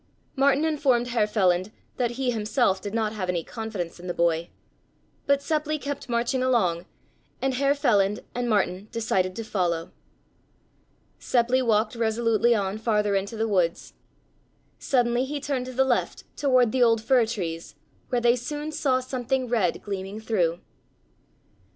Martin informed Herr Feland that he himself did not have any confidence in the boy. But Seppli kept marching along, and Herr Feland and Martin decided to follow. Seppli walked resolutely on farther into the woods. Suddenly he turned to the left toward the old fir trees, where they soon saw something red gleaming through.